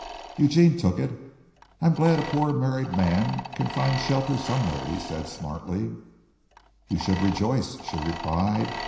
Eugene took it. "I'm glad a poor married man can find shelter somewhere," he said, smartly. "You should rejoice," she replied.